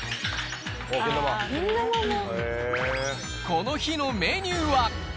この日のメニューは。